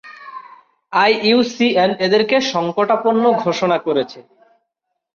IUCN এদেরকে সংকটাপন্ন ঘোষণা করেছে।